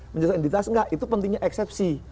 menyusun inditas enggak itu pentingnya eksepsi